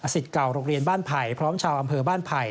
เก่าโรงเรียนบ้านไผ่พร้อมชาวอำเภอบ้านไผ่